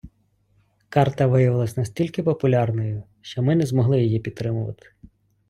Карта виявилася настільки популярною, що ми не змогли її підтримувати.